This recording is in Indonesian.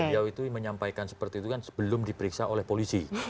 beliau itu menyampaikan seperti itu kan sebelum diperiksa oleh polisi